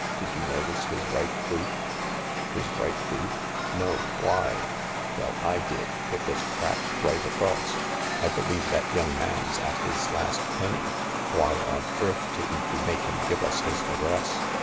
Did you notice his right boot? " His right boot ? No— why ?" "Well, J did. It was cracked right across. I believe m THE LARK 127 that young man's at his last penny. Why on earth didn't we make him give us his address